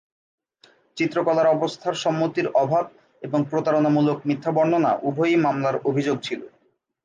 চিত্রকলার অবস্থার সম্মতির অভাব এবং প্রতারণামূলক মিথ্যা বর্ণনা উভয়ই মামলার অভিযোগ ছিল।